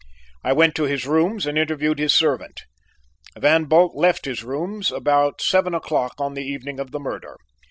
I went to his rooms and interviewed his servant. Van Bult left his rooms about seven o'clock on the evening of the murder.